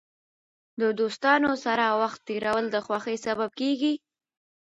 د دوستانو سره وخت تېرول د خوښۍ سبب کېږي.